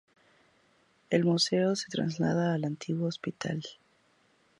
El museo se traslada al antiguo Hospital de St.